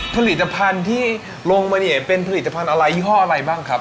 ผลิตภัณฑ์ที่ลงมาเนี่ยเป็นผลิตภัณฑ์อะไรยี่ห้ออะไรบ้างครับ